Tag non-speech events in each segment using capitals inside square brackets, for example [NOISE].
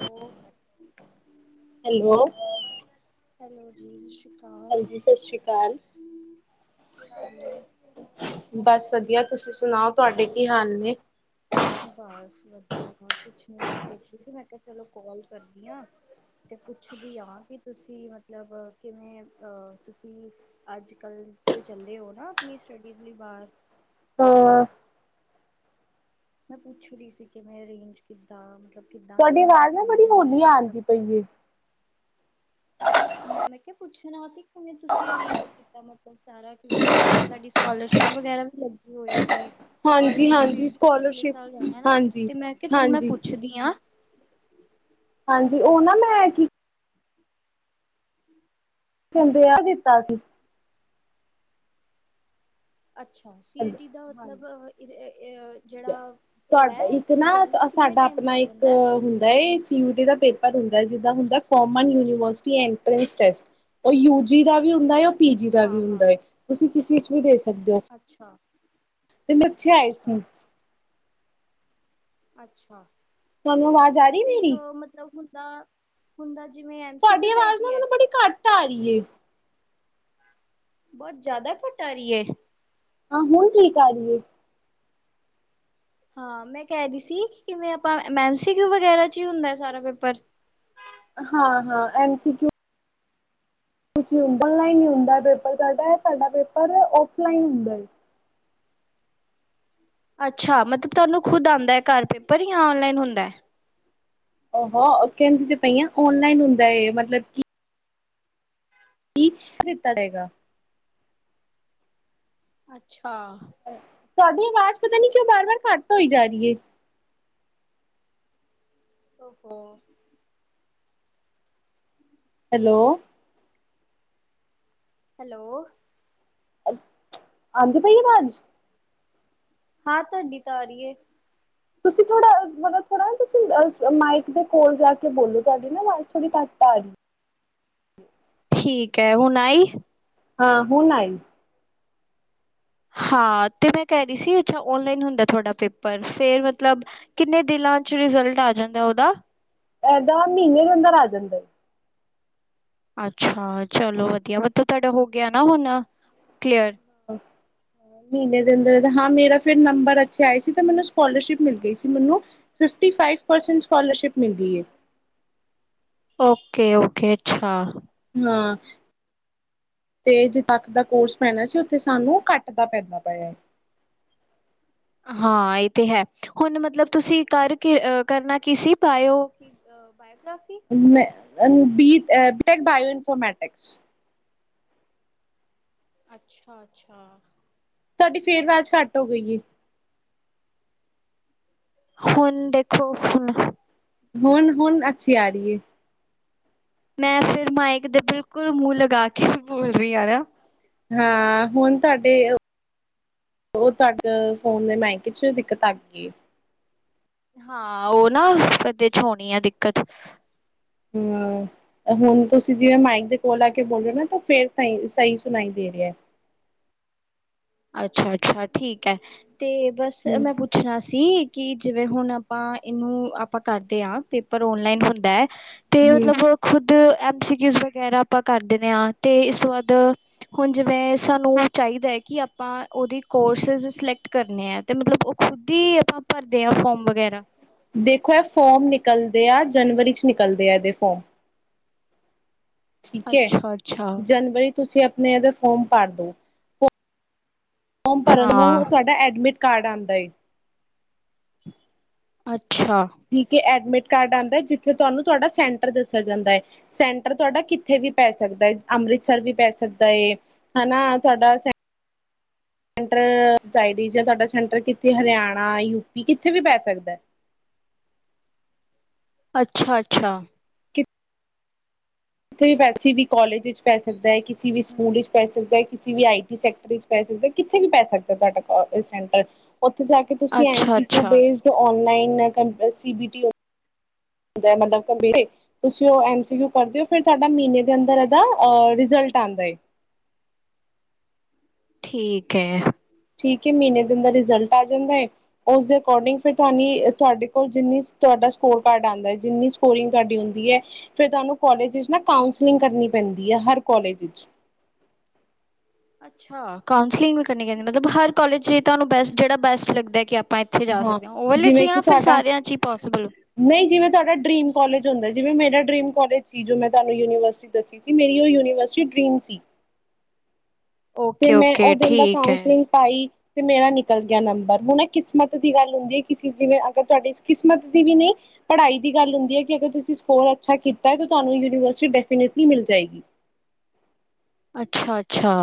Hello, hello. Hello ਜੀ। ਅਕਾਲ ਹਾਂਜੀ ਸਤਿ ਸ੍ਰੀ ਅਕਾਲ ਕੀ ਹਾਲ ਏ? ਬਸ ਵਧੀਆ ਤੁਸੀਂ ਸੁਣਾਓ ਤੁਹਾਡੇ ਕੀ ਹਾਲ ਨੇ। ਬਸ ਵਧੀਆ ਹੋਰ ਕੁਛ ਨੀ ਮੈਂ ਸੋਚਹੀ ਸੀ ਮੈਂ ਕਿਹਾ ਚਲੋ ਕਾਲ ਕਰਦੀ ਹਾਂ ਮੈ ਪੁੱਛਦੀ ਹ ਕਿ ਤੁਸੀਂ ਮਤਲਬ ਕਿਵੇਂ ਅ ਤੁਸੀਂ। ਅੱਜ ਕੱਲ੍ਹ ਜੋ ਚੱਲੇ ਹੋ ਨਾ ਆਪਣੀ ਸਟੱਡੀਜ਼ ਲਈ ਬਾਹਰ। ਹਾਂ। ਮੈਂ ਪੁੱਛ ਰਹੀ ਸੀ ਕਿ ਮੈਂ ਅਰੇਂਜ ਕਿੱਦਾਂ ਮਤਲਬ ਕਿੱਦਾਂ ਕੀਤਾ ਤੁਸੀਂ ਮੇਰੀ ਵੀ ਮਤਲਬ ਹੋਈਏ। ਮੈਂ ਮੈਂ ਕਿਹਾ ਪੁੱਛਣਾ ਸੀ ਕਿਵੇਂ ਤੁਸੀਂ ਅਰੇਂਜ ਮਤਲਬ ਸਾਰਾ ਕਿਵੇਂ ਸਾਡੀ ਤੁਹਾਡੀ ਸਕੋਲਰਸ਼ਿਪ ਵਗੈਰਾ ਵੀ ਲੱਗੀ ਹੋਏਗੀ। ਔਰ ਹਾਂਜੀ ਮੇਰੀ ਹਾਂਜੀ ਬੇਟੀ ਨੇ ਅਗਲੇ ਸਕੋਲਰਸ਼ਿਪ ਸਾਲ ਜਾਣਾ ਨਾ ਹਾਂਜੀ ਤੇ ਮੈਂ ਕਿਹਾ ਚੱਲ ਮੈਂ ਹਾਂਜੀ ਪੁੱਛਦੀ ਹਾਂ। ਹਾਂਜੀ। ਉਹ ਨਾ ਮੈਂ। ਕਿੰਦੇ ਆ ਦਿੱਤਾ ਸੀ। ਅੱਛਾ ਸੀਟੀ ਦਾ ਹਾਂਜੀ ਮਤਲਬ ਜਿੜਾ। ਤੁਹਾਡਾ ਇੱਕ ਨਾ ਸਾਡਾ ਆਪਣਾ ਇੱਕ ਜਾਂਦਾ ਹੈ ਹੁੰਦਾ ਏ ਸੀ ਯੂ ਦਾ ਪੇਪਰ ਹੁੰਦਾ ਜਿਦਾਂ ਹੁੰਦਾ ਕੋਮਨ ਯੂਨੀਵਰਸਿਟੀ ਐਤਰਾਂਸ ਟੇਸਟ ਉਹ ਯੂ ਜੀ ਦਾ ਵੀ ਹੁੰਦਾ। ਪੀਜੀ ਦਾ ਵੀ ਹਾਂ ਹਾਂ ਹੁੰਦਾ ਤੁਸੀਂ ਕਿਸ ਚ ਵੀ ਦੇ ਸਕਦੇ ਹੋ। ਅੱਛਾ ਤੇ ਮਿਰਥੇ ਆਏ ਅੱਛਾ ਸੀ। [UNINTELLIGIBLE] ਅੱਛਾ। ਤੁਹਾਨੂੰ ਆਵਾਜ਼ ਆ ਰਹੀ ਤੇ ਮੇਰੀ। ਅ ਮਤਲਬ ਹੁੰਦਾ ਹੁੰਦਾ ਜਿਵੇਂ ਐਮਸੀਕਿਊ ਟਾਈਪ ਹੀ ਹੈ। ਟਾਰੀਏ [UNINTELLIGIBLE] ਬਹੁਤ ਜ਼ਿਆਦਾ ਘਟ ਆ ਰਹੀ ਹੈ। ਹਾਂ, ਹੁਣ ਕੀਕ ਆ ਰਹੀ ਏ। ਹਾਂ, ਮੈਂ ਕਹਿ ਰਹੀ ਸੀ ਕਿਵੇਂ ਆਪਾਂ ਮ ਸੀ ਵਗੈਰਾ ਚ ਹੀ ਹੁੰਦਾ ਸਾਰਾ ਪੇਪਰ। ਹਾਂ- ਹਾਂ ਐਮ ਸੀਕੂ। ਕੁਛ ਔਨਲਾਈਨ ਹੀ ਹੁੰਦਾ ਪੇਪਰ ਸਾਡਾ ਸਾਡਾ ਪੇਪਰ ਔਫਲਾਈਨ ਹੁੰਦਾ ਹੈ। ਅੱਛਾ ਮਤਲਬ ਤੁਹਾਨੂੰ ਖੁਦ ਆਉਂਦਾ ਘਰ ਪੇਪਰ ਜਾਂ ਔਨਲਾਈਨ ਹੁੰਦਾ ਹੈ। ਉਹੋ ਕਹਿੰਦੀ ਤੇ ਪਈਆਂ ਔਨਲਾਈਨ ਹੁੰਦਾ ਮਤਲਬ ਕੀ ਕੀ ਦਿੱਤਾ ਜਾਏਗਾ। ਅੱਛਾ। ਤੁਹਾਡੀ ਆਵਾਜ਼ ਪਤਾ ਨੀ ਕਿਉ ਬਾਰ ਬਾਰ ਘੱਟ ਹੋਈ ਜਾ ਰਹੀ ਹੈ। ਹੋ ਹੈਲੋ ਹੈਲੋ ਆਂਦੀ ਪਈ ਐ ਅਵਾਜ। ਹਾਂ ਤੁਹਾਡੀ ਤਾਂ ਆ ਰਹੀ ਹੈ। ਤੁਸੀਂ ਥੋੜ੍ਹਾ ਮਤਲਬ ਥੋੜ੍ਹਾ ਨਾ ਤੁਸੀਂ ਮਾਈਕ ਦੇ ਕੋਲ ਜਾ ਕੇ ਬੋਲੋ ਤੁਹਾਡੀ ਨਾ ਮਾਈ ਥੋੜ੍ਹੀ ਘੱਟ ਆ ਰੀ ਅ। ਠੀਕ ਹੈ, ਹੁਣ ਆਈ ਹਾਂ, ਹੁਣ ਆਈ। ਹਾਂ ਤੇ ਮੈਂ ਕਹਿ ਰਹੀ ਸੀ, ਅੱਛਾ ਓਨਲਾਈਨ ਹੁੰਦਾ ਤੁਹਾਡਾ ਪੇਪਰ ਫਿਰ ਮਤਲਬ ਕਿੰਨੇ ਦਿਨਾਂ ਚ ਰਿਜਲਟ ਆ ਜਾਂਦਾ ਉਹਦਾ ਇਏਦਾਂ ਮਹੀਨੇ ਦੇ ਅੰਦਰ ਆ ਜਾਂਦਾ। ਅੱਛਾ। ਚਲੋ ਵਧੀਆ ਮਤਲਬ ਤੁਹਾਡਾ ਹੋ ਗਿਆ ਨਾ ਹੁਣ। [UNINTELLIGIBLE] ਮਹੀਨੇ ਦੇ ਅੰਦਰ ਹਾਂ ਮੇਰਾ ਫਿਰ ਨੰਬਰ ਅੱਛੇ ਆਏ ਸੀ ਤੇ ਮੈਨੂੰ ਸਕੋਲਰਸ਼ਿਪ ਮਿਲ ਗਈ ਸੀ ਮੈਨੂੰ ਨਾ। ਫਿਫਟੀ ਫਾਈਵ ਪਰਸੈਂਟ ਸਕਾਲਰਸ਼ਿਪ ਮਿਲਦੀ ਐ। ਓਕੇ ਓਕੇ, ਅੱਛਾ ਨਾ ਜੀ ਤੇ ਜੇ ਤੱਕ ਦਾ ਕੋਰਸ ਪੈਣਾ ਸੀ ਉੱਥੇ ਸਾਨੂੰ ਕੱਟ ਦਾ ਫੈਦਾ ਪਾਇਆ ਏ ਹਾਂ, ਇਹ ਤੇ ਹੈ ਹੁਣ ਮਤਲਬ ਤੁਸੀਂ ਕਰ ਕੀ ਕਰਨਾ ਕੀ ਸੀ ਪਾਇਓ। ਬਾਇੋਗ੍ਰਫੀ ਬ ਬੀੈ ਬਾਊ ਇਨਫੋਰਮੈਟਿਕ। ਅੱਛਾ- ਅੱਛਾ। ਤਾਡੀ ਫੇਰ ਵਾਜ਼ ਘੱਟ ਹੋ ਗਈ ਏ। ਹੁਣ ਦੇਖੋ ਹੁਣ ਹੁਨ-ਹੁਨ ਅੱਛੀ ਆ ਰਹੀ ਏ। ਮੈਂ ਫੇਰ ਮਾਇਕ ਦੇ ਬਿਲਕੁਲ ਮੂੰਹ ਲਗਾ ਕੇ ਵੀ ਬੋਲ ਰਹੀ ਆ ਨਾ ਹਾਂ, ਹੁਨ ਤੁਹਾਡੇ- ਉਹ ਤੁਹਾਡੇ ਫੋਨ ਦੇ ਮਾਇਕੇ ਚ ਦਿੱਕਤ ਆ ਗਈ ਹਾਂ, ਉਹ ਨਾ ਓਦੇ 'ਚ ਹੋਣੀ ਏ ਦਿੱਕਤ। ਹੂੰ। ਹੁਣ ਤੁਸੀਂ ਜਿਵੇਂ ਮਾਈਕ ਦੇ ਕੋਲ ਆ ਕੇ ਬੋਲ ਰਹੇ ਹੋ ਨਾ ਤਾਂ ਫੇਰ ਸਹੀ ਸੁਣਾਈ ਦੇ ਰਿਹਾ। ਅੱਛਾ - ਅੱਛਾ ਠੀਕ ਐ, ਤੇ ਬਸ ਹੂੰ ਮੈਂ ਪੁ- ਪੁੱਛਣਾ ਸੀ, ਕਿ ਜਿਵੇਂ ਹੁਣ ਆਪਾਂ ਇਹਨੂੰ ਆਪਾਂ ਕਰਦੇ ਹ ਪੇਪਰ ਓਨਲਾਈਨ ਹੁੰਦਾ ਤੇ ਹੂੰ ਮਤਲਬ ਖੁਦ ਐਮ ਸੀਕਊਜ਼ ਵਗੈਰਾ ਆਪਾਂ ਕਰ ਦਿੰਦੇ ਆ ਤੇ, ਇਸ ਤੋਂ ਬਾੱਦ ਹੁਣ ਜਿਵੇਂ, ਸਾਨੂੰ ਚਾਹੀਦਾ ਹੈ ਕਿ ਆਪਾਂ ਉਹਦੀ ਕੋਰਸਿਸ ਸਿਲੈਕਟ ਕਰਨੇ ਆ ਅਤੇ ਮਤਲਬ ਉਹ ਖੁਦ ਹੀ ਆਪਾਂ ਭਰਦੇ ਹਾਂ ਫੋਮ ਵਗੈਰਾ। ਦੇਖੋ ਇਹ ਫੋਮ ਨਿਕਲਦੇ ਆ ਜਨਵਰੀ 'ਚ ਨਿਕਲਦੇ ਆ ਇਹਦੇ ਫੋਮ। ਠੀਕ ਹੈ, ਅੱਛਾ ਅੱਛਾ ਜਨਵਰੀ ਤੁਸੀਂ ਆਪਣੇ ਇਹਦੇ ਫੋਰਮ ਭਰ ਦੋ, [UNINTELLIGIBLE] ਫੋਮ ਭਰਨ ਹਾਂ ਨੂੰ ਤੁਹਾਡਾ ਐਡਮਿਟ ਕਾਰਡ ਆਉਂਦਾ ਏ। ਅੱਛਾ। ਠੀਕ ਹੈ ਐਡਮਿਟ ਕਾਰਡ ਆੰਦਾ, ਜਿੱਥੇ ਤੁਹਾਨੂੰ ਤੁਹਾਡਾ ਸੈਂਟਰ ਦੱਸਿਆ ਜਾਂਦਾ। ਸੈਂਟਰ ਤੁਹਾਡਾ ਕਿੱਥੇ ਵੀ ਪੈ ਸਕਦਾ ਏ। ਅੰਮ੍ਰਿਤਸਰ ਵੀ ਪੈ ਸਕਦਾ ਏ। ਹਨਾ ਤੁਹਾਡਾ ਸੈਂਟਰ ਸੁਸਾਇਟੀ ਜਾਂ ਤੁਹਾਡਾ ਸੈਂਟਰ ਕਿੱਥੇ? ਹਰਿਆਣਾ, ਯੂਪੀ- ਕਿੱਥੇ ਵੀ ਪੈ ਸਕਦੈ। ਅੱਛਾ-ਅੱਛਾ। ਕਿੱਥੇ ਵੀ ਪੇ। ਕਿਸੀ ਵੀ ਕਾਲਜ ਇਚ ਪੈ ਸਕਦਾ ਏ। ਕਿਸੀ ਵੀ ਹਮ ਸਕੂਲ ਵਿੱਚ ਪੈਸ ਕਿਸੀ ਵੀ, ਆਈ ਟੀ ਸੈਕਟਰ ਵਿੱਚ ਪੈ ਸਕਦਾ। ਕਿੱਥੇ ਵੀ ਪੈ ਸਕਦਾ ਤੁਹਾਡਾ ਕੋ -ਸੈਂਟਰ ਉੱਥੇ ਜਾ ਕੇ ਤੁਸੀਂ ਐਮ ਅੱਛਾ ਸੀ ਕਿੳਜ਼ ਅੱਛਾ ਬੇਸਡ ਨਲਾਈਨ ਬੀ ਟੀ ਦੈ ਮਤਲਬ ਗੰਭੀਰ ਈ। ਤੁਸੀਂ ਉਹ ਐਮ ਸੀ ਕਿਉ ਪੜ੍ਹਦੇ ਹੋ, ਫਿਰ ਤੁਹਾਡਾ ਮਹੀਨੇ ਦੇ ਅੰਦਰ ਇਹਦਾ ਆ ਰਿਜ਼ਲਟ ਆਂਦਾ ਏ। ਠੀਕ ਹੈ। ਠੀਕ ਏ, ਮਹੀਨੇ ਦੇ ਅੰਦਰ ਰਿਜ਼ਲਟ ਆ ਜਾਂਦਾ ਹੈ ਓਸ ਦੇ ਏਕਾਰਡਿੰਗ ਫਿਰ ਤੁਹਾੰਨੀ, ਤੁਹਾਡੇ ਕੋਲ ਜਿੰਨੀ ਸ, ਤੁਹਾਡਾ ਸਕੋਰ ਕਾਰਡ ਆਦਾਂ, ਜਿੰਨੀ ਸ [UNINTELLIGIBLE] ਸਕੋਰਿੰਗ ਤੁਹਾਡੀ ਹੁੰਦੀ ਐ, ਫਿਰ ਤੁਹਾਨੂੰ ਕੋਲਜ ਇਚ ਨਾ ਕਾਉਂਸਲਿੰਗ ਕਰਨੀ ਪੈਂਦੀ ਹੈ ਹਰ ਕੋਲਜ ਇਚ। ਅੱਛਾ, ਕੋਂਸਲਿੰਗ ਵੀ ਕਰਨੀ ਏ ਮਤਲਬ ਹਰ ਕਾਲਜ 'ਚ ਤੁਹਾਨੂੰ ਬੈਸਟ ਜਿਹੜਾ ਬੈਸਟ ਲੱਗਦਾ, ਕਿ ਆਪਾ ਉੱਥੇ ਜਾ ਸਕਦੇ ਹਾਂ, ਓਵਰਲੇ 'ਚ ਹੀ ਜਾਂ ਫਿਰ ਸਾਰਿਆਂ 'ਚ ਹੀ ਪੋਸੀਬਲ ਨਈ ਜਿਵੇਂ ਤੁਹਾਡਾ ਡਰੀਮ ਕੋਲਜ ਹੁੰਦਾ, ਜਿਵੇਂ ਮੇਰਾ ਡਰੀਮ ਕੋਲਜ ਸੀ। ਜੋ ਮੈਂ ਤੁਹਾਨੂੰ ਯੂਨੀਵਰਸਿਟੀ ਦੱਸੀ। ਸੀ। ਮੇਰੀ ਉਹ ਯੂਨੀਵਰਸਿਟੀ ਡਰੀਮ ਸੀ। ਤੇ ਓਕੇ ਮੈਂ ਓਕੇ ਉਹਦੇ ਅੰਦਰ ਠੀਕ ਹੈ ਕਾਂਸਲਿੰਗ ਪਾਈ। ਤੇ ਮੇਰਾ ਨਿਕਲ ਗਿਆ ਨੰਬਰ ਹੁਣ ਕਿਸਮਤ ਦੀ ਗੱਲ ਹੁੰਦੀ ਹੈ ਕਿਸੇ ਜਿਵੇਂ, ਅਗਰ ਤੁਹਾਡੀ ਕਿਸਮਤ ਦੀ ਵੀ ਨਹੀਂ ਪੜ੍ਹਾਈ ਦੀ ਗੱਲ ਹੁੰਦੀ ਏ ਕਿ ਅਗਰ ਤੁਸੀਂ ਸਕੋਰ ਅੱਛਾ ਕੀਤਾ ਤੁਹਾਨੂੰ ਯੂਨੀਵਰਸਿਟੀਨ ਮਿਲ ਜਾਏਗੀ। ਅੱਛਾ ਅੱਛਾ।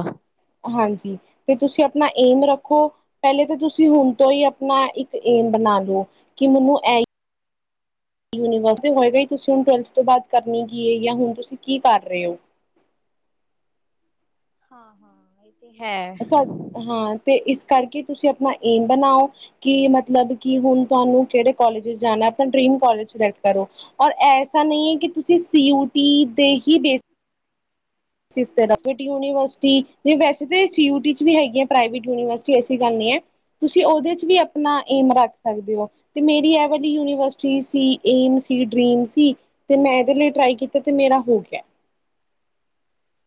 ਹਾਂਜੀ, ਤੇ ਤੁਸੀਂ ਆਪਣਾ ਏਮ ਰੱਖੋ ਪਹਿਲੇ ਤਾਂ ਤੁਸੀਂ ਹੁਣ ਤੋਂ ਹੀ ਆਪਣਾ ਇੱਕ ਏਮ ਬਣਾ ਲਓ ਕਿ ਮੈਨੂੰ ਐ ਯੂਨੀਵਰਸਿਟੀ ਹੋਏਗਾ ਹੀ, ਤੁਸੀਂ ਹੁਣ ਟਵੈਲਥ ਤੋਂ ਬਾਅਦ ਕਰਨੀ ਕੀ ਹੈ ਜਾਂ ਹੁਣ ਤੁਸੀਂ ਕੀ ਕਰ ਰਹੇ ਹੋ। ਹਾਂ, ਹਾਂ ਤੇ ਹੈ ਤੁਹਾ, ਹਾਂ ਤੇ ਇਸ ਕਰਕੇ ਤੁਸੀਂ ਆਪਣਾ ਏਮ ਬਨਾਓ। ਕਿ ਮਤਲਬ ਕਿ ਹੁਨ ਤੁਹਾਨੂੰ ਕਿਹੜੇ ਕੋਲਜ ਵਿਚ ਜਾਨਾ? ਅਪਨਾ ਡਰੀਮ ਕਾਲਜ ਸਿਲੈਕਟ ਕਰੋ। ਔਰ, ਐਸਾ ਨਹੀਂ ਹੈ ਕਿ ਤੁਸੀਂ ਸੀ ਯੂਟੀ ਦੇ ਹੀ ਬੇਸ ਸਿਸ ਯੂਨੀਵਰਸਿਟੀ ਵੈਸੇ ਤੇ ਸੀ ਯੂ ਟੀ ਚ ਵੀ ਹੈਗੀਆ ਪ੍ਰਾਈਵੇਟ ਯੂਨੀਵਰਸਿਟੀ ਐਸੀ ਗੱਲ ਨੀ ਐ। ਤੁਸੀਂ ਉਹਦੇ ਚ ਵੀ ਆਪਣਾ ਏਮ ਰੱਖ ਸਕਦੇ ਹੋ। ਤੇ ਮੇਰੀ ਇਹ ਵੱਡੀ ਯੂਨੀਵਰਸਿਟੀ ਸੀ ਏਮ ਸੀ ਡਰੀਮ ਸੀ। ਤੇ ਮੈਂ ਇਹਦੇ ਲਈ ਟਰਾਈ ਕੀਤਾ ਤੇ ਮੇਰਾ ਹੋ ਗਿਆ।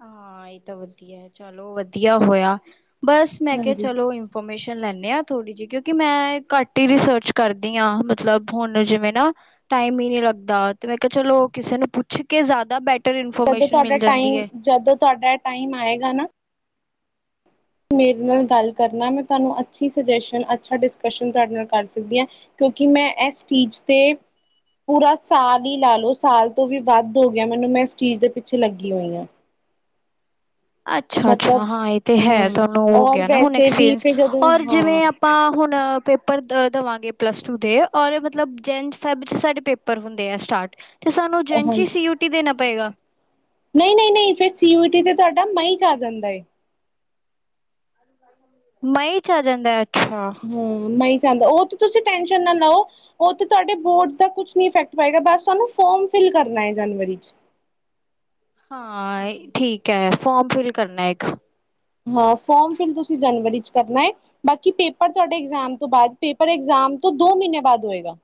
ਹਾਂ ਇਹ ਤਾਂ ਵਧੀਆ, ਚਲੋ ਵਧੀਆ ਹੋਇਆ ਬਸ ਮੈਂ ਕਿਹਾ ਹਾਂਜੀ ਚਲੋ ਇਨਫੋਰਮੇਸ਼ਨ ਲੈਨੇ ਆ ਥੋੜ੍ਹੀ ਜੀ, ਕਿਉਕਿ ਮੈ ਘੱਟ ਹੀ ਰਿਸਰਚ ਕਰਦੀ ਯਾਂ ਮਤਲਬ ਹੁਣ ਜਿਵੇ ਨਾ। ਟਾਈਮ ਹੀ ਨੀ ਲੱਗਦਾ ਤੇ ਮੈਂ ਕਿਹਾ ਚਲੋ ਕਿਸੇ ਨੂੰ ਪੁੱਛ ਕੇ ਜਾਦਾ ਜਦੋਂ ਤੁਹਾਡਾ ਟਾਈਮ, ਜਦੋਂ ਤੁਹਾਡਾ ਟਾਈਮ ਆਏਗਾ ਨਾ- ਮੇਰੇ ਹਮ ਨਾਲ ਗੱਲ ਹਮ ਕਰਨਾ ਮੈਂ ਤਾਨੂੰ ਅੱਛੀ ਸੁਜੈਸ਼ਨ ਅੱਛਾ ਡਿਸਕਸ਼ਨ ਤਹਾਡੇ ਨਾਲ ਕਰ ਸਕਦੀ ਆ, ਕਿਉਂਕਿ ਮੈਂ ਇਸ ਚੀਜ਼ ਤੇ ਪੂਰਾ ਸਾਲ ਈ ਲਾ ਲਓ, ਸਾਲ ਤੋਂ ਵੀ ਵੱਧ ਹੋ ਗਿਆ ਮੈਨੂੰ ਮੈਂ ਇਸ ਚੀਜ਼ ਦੇ ਪਿੱਛੇ ਲੱਗੀ ਹੋਈ ਆ। ਅੱਛਾ ਅੱਛਾ ਮਤਲਬ ਹਾਂ ਇਹ ਤੇ ਹੈ, ਹਾਂ ਤੁਹਾਨੂੰ ਹੋ ਔਰ ਗਿਆ ਨਾ ਹੁਣ ਵੈਸੇ ਵੀ ਐਕਸਪੀਰੀੰਸ ਫਿਰ ਜਦੋਂ ਔਰ ਹਾਂ ਜਿਵੇਂ ਆਪਾਂ ਹੁਣ ਪੇਪਰ ਦ ਦੇਵਾਂਗੇ ਪਲੱਸ ਟੂ ਦੇ ਔਰ, ਮਤਲਬ ਜੈਨ ਫੈਬ 'ਚ ਸਾਡੇ ਪੇਪਰ ਪੇਪਰ ਹੁੰਦੇ ਏ ਸਟਾਰਟ। ਤੇ ਸਾਨੂੰ ਜੇਨ ਚੀ ਸੀ, ਯੂ, ਟੀ ਦੇਨਾ ਪਏਗਾ। ਨਈ ਨਈ ਨਈ ਫੇਰ ਸੀ ਯੂ ਟੀ ਤੇ ਤੁਹਾਡਾ ਮਈ ਚ ਆ ਜਾਂਦਾ ਏ। ਹ [INAUDIBLE] ਮਈ 'ਚ ਆ ਜਾਂਦਾ ਅੱਛਾ ਹਾਂ ਮਈ ਆਦਾਂ, ਉਹ ਤਾਂ ਤੁਸੀਂ ਟੈਨਸ਼ਨ ਨਾ ਲੋ ਉਹ ਤੇ ਤਾੱਡੇ ਬੋਰਡ ਦਾ ਕੁਛ ਨੀ ਇਫੈਕਟ ਪਏਗਾ ਬਸ ਤੁਾਨੂੰ ਫੋਮ ਫਿਲ ਕਰਨਾ ਹੈ ਜਨਵਰੀ 'ਚ। ਹਾਂ ਠੀਕ ਏ ਫੋਰਮ ਫਿਲ ਕਰਨਾ ਇੱਕ ਹਾਂ ਫੋਰਮ ਫਿਲ ਤੁਸੀਂ ਜਨਵਰੀ ਚ ਕਰਨਾ ਏ। ਬਾਕੀ ਪੇਪਰ ਤੁਹਾਡੇ ਇਗਜ਼ਾਮ ਤੋਂ ਬਾਅਦ ਪੇਪਰ ਇਕਜ਼ਾਮ ਤੋਂ ਦੋ ਮਹੀਨੇ ਬਾਅਦ ਹੋਏਗਾ।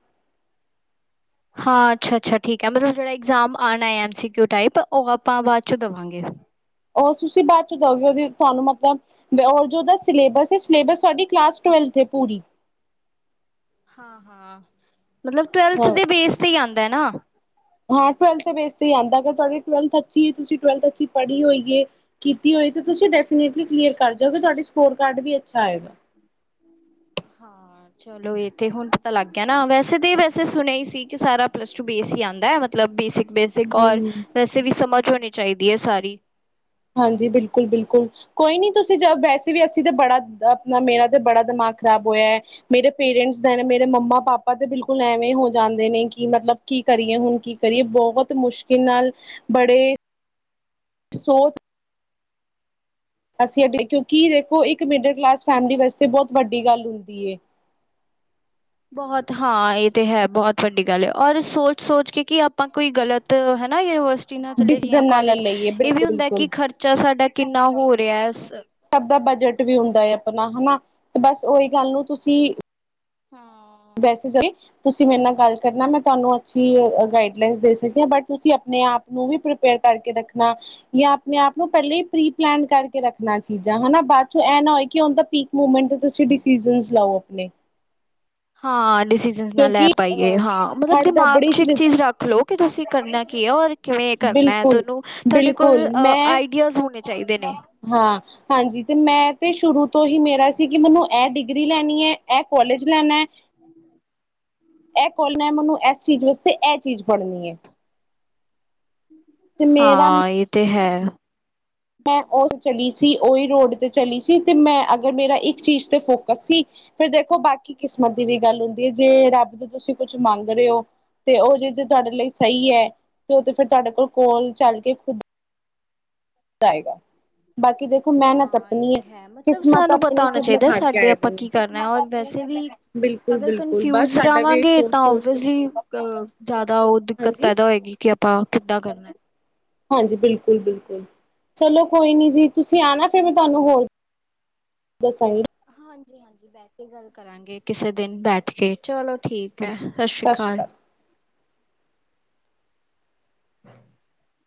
ਹਾਂ ਅੱਛਾ - ਅੱਛਾ, ਠੀਕ ਐ ਮਤਲਬ ਜਿਹੜਾ ਇਗਜ਼ਾਮ ਆਨਾ ਐਮ ਸੀ ਕਯੁ ਟਾਈਪ, ਉਹ ਆਪਾਂ ਬਾਅਦ ਚੋਂ ਦਵਾਂਗੇ। ਉਹ ਤੁਸੀਂ ਬਾਅਦ ਚ ਦੋਗੇ ਉਹਦੀ ਤਾਨੂੰ ਮਤੱਲਬ ਔਰ ਜੋ ਅੋਦਾ ਸਿਲੇਬਸ ਏ ਸਿਲੇਬਸ ਤੁਹਾਡੀ ਕਲਾਸ ਟਵੈਲਥ ਏ ਪੂਰੀ। ਹਾਂ ਹਾਂ ਮਤਲਬ ਟਵੈਲਥ ਹਾਂ ਦੇ ਬੇਸ ਤੇ ਹੀ ਆਂਦਾ ਨਾ। ਹਾਂ, ਟਵੈਲਥ ਦੇ ਬੇਸ ਤੇ ਹੀ ਆਂਦਾ। ਅਗਰ ਤੁਹਾਡੀ ਟਵੈਲਥ ਅੱਛੀ। ਤੁਸੀਂ ਟਵੈਲਥ ਅੱਛੀ ਪੜ੍ਹੀ ਹੋਈ ਏ। ਕੀਤੀ ਹੋਈ ਤਾਂ ਤੁਸੀਂ ਹਮ ਡੈਫੀਨੇਟਲੀ ਹਮ ਕਲੀਅਰ ਕਰ ਜਾਓਗੇ ਤੁਹਾਡੇ ਸਕੋਰ ਕਾਰਡ ਵੀ ਅੱਛਾ ਆਏਗਾ। ਹਾਂ। ਚਲੋ ਏ ਤੇ ਹੁਣ ਪਤਾ ਲੱਗ ਗਿਆ ਨਾ ਵੈਸੇ ਤਾਂ ਵੈਸੇ ਸੁਣਿਆ ਹੀ ਸੀ। ਕਿ ਸਾਰਾ ਪਲੱਸ ਟੂ ਬੇਸ ਈ ਆਂਦਾ। ਮਤਲਬ ਬੇਸਿਕ-ਬੇਸਿਕ ਔਰ ਹਮ ਵੈਸੇ ਵੀ ਸਮਝ ਹੋਣੀ ਚਾਹੀਦੀ ਏ ਸਾਰੀ। ਹਾਂਜੀ, ਬਿਲਕੁਲ- ਬਿਲਕੁਲ। ਕੋਈ ਨੀ ਤੁਸੀਂ ਜਾ ਵੈਸੇ ਵੀ ਅਸੀਂ ਤਾਂ ਬੜਾ ਆਪਣਾ ਮੇਰਾ ਤੇ ਬੜਾ ਦਿਮਾਗ ਖ਼ਰਾਬ ਹੋਇਆ। ਮੇਰੇ ਪੇਰੈਂਟਸ ਦਾ ਮੇਰੇ ਮੰਮਾ-ਪਾਪਾ ਤੇ ਬਿਲਕੁਲ ਐਵੇਂ ਹੋ ਜਾਂਦੇ ਨੇ ਕਿ ਮਤਲਬ ਕੀ ਕਰੀਏ ਹੁਨ? ਕੀ ਕਰੀਏ? ਬਹੁਤ ਮੁਸ਼ਕਿਲ ਨਾਲ ਬੜੇ ਸੋਚ ਅਸੀਂ ਕਿਉਂਕਿ ਦੇਖੋ ਇੱਕ ਮਿਡਲ ਕਲਾਸ ਫੈਮਲੀ ਵਾਸਤੇ ਬੋਹਤ ਵੱਡੀ ਗੱਲ ਹੁੰਦੀ ਏ। ਬੋਹਤ ਹਾਂ ਏ ਤੇ ਹੈ ਬਹੁਤ ਵੱਡੀ ਗੱਲ ਏ ਔਰ ਸੋਚ-ਸੋਚ ਕੇ ਕਿ ਆਪਾਂ ਕੋਈ ਗਲਤ ਹੈ ਨਾ ਯੂਨੀਵਰਸਿ ਜਿਨਾਂ ਚਲੇ ਜੀਆਂ ਡਿਸੀਜ਼ਨ ਨਾਲ ਕੋਲੇਜ ਲਈਏ ਇਹ ਵੀ ਬਿਲਕੁਲ ਹੁੰਦਾ ਕਿ ਬਿਲਕੁਲ ਖਰਚਾ ਸਾਡਾ ਕਿੰਨਾ ਹੋ ਰਿਆ ਸਬ ਦਾ ਬਜਟ ਵੀ ਹੁੰਦਾ ਅਪਨਾ ਹੈਨਾ, ਬੱਸ ਓ ਹੀ ਗੱਲ ਨੂੰ ਤੁਸੀਂ ਹਾਂ। ਬੈਸੇ ਸਹੀ ਤੁਸੀਂ ਮੇਰੇ ਨਾਲ ਗੱਲ ਕਰਨਾ ਮੈਂ ਤਾਨੂੰ ਅੱਛੀ ਗਾਈਡ ਲਾਇਨਸ ਦੇ ਸਕਦੀ ਆ ਬਟ ਤੁਸੀਂ ਆਪਣੇ ਆਪ ਨੂੰ ਵੀ ਪ੍ਰਿਪੇਅਰ ਕਰਕੇ ਰੱਖਣਾ ਯਾਂ ਆਪਣੇ ਆਪ ਨੂੰ ਪਹਿਲੇਾਂ ਹੀ ਪ੍ਰੀਪਲਾਨ ਕਰਕੇ ਰੱਖਣਾ ਚੀਜ਼ਾਂ ਹਨਾ ਬਾਅਦ ਚੋਂ ਇਹ ਨਾ ਹੋਏ ਕਿ ਹਣ ਤਾਂ ਪੀ ਮੂਵਮੈਂਟ ਤੇ'ਤੁਸੀਂ ਡਿਸੀਜ਼ਨਸ ਲਓ ਅਪਨੇ। ਹਾਂ ਡਿਸੀ - ਨਾਲ ਲੈ ਪਾਈਏ ਹਾਂ ਮਤਲਬ ਹੜ ਦਿਮਾਗ ਦਬੜੀ ਚ ਇੱਕ ਚੀਜ਼ ਰੱਖ ਲਓ ਕਿ ਤੁਸੀਂ ਕਰਨਾ ਕੀ ਹੈ ਔਰ ਕਿਵੇਂ ਕਰਨਾ ਬਿਲਕੁਲ ਤਾਨੂੰ ਤੁਹਾਡੇ ਕੋਲ ਬਿਲਕੁਲ ਮੈਂ ਆਈਡੀਆਜ਼ ਹੋਣੇ ਚਾਹੀਦੇ ਨੇ। ਹਾਂ ਹਾਂਜੀ, ਤੇ ਮੈਂ ਤੇ ਸ਼ੁਰੂ ਤੋਂ ਹੀ ਮੇਰਾ ਸੀ ਕਿ, ਮੈਨੂੰ ਇਹ ਡਿਗਰੀ ਲੈਣੀ ਹੈ, ਇਹ ਕੋਲੇਜ ਲੈਣਾ ਹੈ। [INAUDIBLE] ਇਹ ਖੋਲਣਾ, ਮੈਨੂੰ ਇਸ ਚੀਜ਼ ਵਾਸਤੇ ਇਹ ਚੀਜ਼ ਫੜਨੀ ਏ। ਮੇਰਾ ਹਾਂ ਇਹ ਤੇ ਹੈ। ਮੈਂ ਉਸ ਚਲੀ ਸੀ। ਉਹੀ ਰੋਡ ਤੇ ਚਲੀ ਸੀ ਤੇ ਮੈਂ ਅਗਰ ਮੇਰਾ ਇੱਕ ਚੀਜ਼ ਤੇ ਫੋਕਸ ਸੀ। ਫਿਰ ਦੇਖੋ ਬਾਕੀ ਕਿਸਮਤ ਦੀ ਵੀ ਗੱਲ ਹੁੰਦੀ ਏ ਜੇ ਰੱਬ ਤੋ ਤੁਸੀਂ ਕੁੱਛ ਮੰਗ ਰਹੇ ਹੋ। ਤੇ ਉਹ ਜਿਦ ਜੇ ਤੁਹਾਡੇ ਲਈ ਸਹੀ ਏ ਤੇ ਉਹ ਤੇ ਫੇਰ ਤੁਹਾਡੇ ਕੋਲ, ਕੋਲ ਚੱਲ ਕੇ ਖੁਦ ਤੇ ਆਏਗਾ ਬਾਕੀ ਦੇਖੋ ਮਿਹਨਤ ਹਾਂ ਇਹ ਆਪਣੀ ਤੇ ਹੈ ਮਤਲਬ ਕਿਸਮਤ ਸਾਨੂੰ ਪਤਾ ਆਪਣੀ ਹੋਣਾ ਸਭ ਚਾਹੀਦਾ ਲਿਖਾ ਕੇ ਸਾਡੇ ਆਏ ਦੇ ਆਪਾਂ ਨੇ ਕੀ ਕਰਨਾ ਔਰ ਵੈਸੇ ਵੀ ਬਿਲਕੁਲ ਅਗਰ ਬਿਲਕੁਲ ਬਸ ਕੰਨਫਿਊਜ਼ ਸਾਡਾ ਵੀ ਰਵਾਂਗੇ ਤਾਂ ਸੋਚ ਸੋਚ ਕੇ ਓਵੀਅਸਲੀ ਅਹ ਜ਼ਿਆਦਾ ਉਹ ਦਿੱਕਤ ਹਾਂਜੀ ਪੈਦਾ ਹੋਏਗੀ। ਕਿ ਆਪਾਂ, ਕਿੱਦਾਂ ਕਰਨਾ ਹੈ? ਹਾਂਜੀ, ਬਿਲਕੁਲ-ਬਿਲਕੁਲ। ਚਲੋ ਕੋਈ ਨੀ ਜੀ ਤੁਸੀਂ ਆਣਾ ਫੇਰ ਮੈਂ ਤੁਹਾਨੂੰ ਹੋਰ ਦਸਾਈ ਹਾਂਜੀ-ਹਾਂਜੀ, ਬੈ ਕੇ ਗੱਲ ਕਰਾਂਗੇ, ਕਿਸੇ ਦਿਨ ਬੈਠ ਕੇ ਚਲੋ ਠੀਕ ਐ। ਸਤਿ ਸ਼੍ਰੀ ਅਕਾਲ।